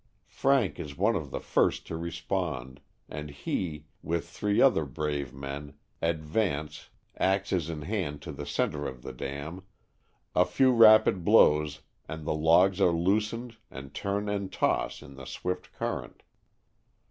Frank is one of the first to respond, and he, with three other brave men, advance, axes in hand to the center 117 Stowes from the Adirondacks. of the dam— a few rapid blows and the logs are loosened and turn and toss in the swift current.